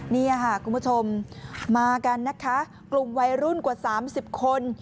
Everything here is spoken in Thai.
นี่ค่ะคุณผู้ชมมากันนะคะกลุ่มวัยรุ่นกว่า๓๐คน